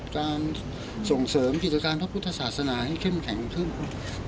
การส่งเสริมกิจการพระพุทธศาสนาให้เข้มแข็งขึ้น